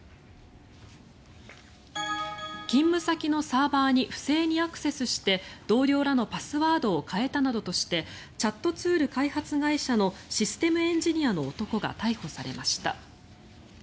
勤務先のサーバーに不正にアクセスして同僚らのパスワードを変えたなどとしてチャットツール開発会社のシステムエンジニアの男が逮捕されました。